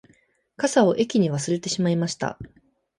傘を駅に忘れてしまいました